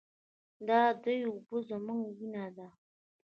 د دې اوبه زموږ وینه ده